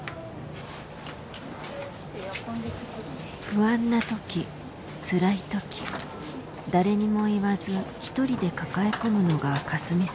不安な時つらい時誰にも言わず一人で抱え込むのがかすみさんの課題。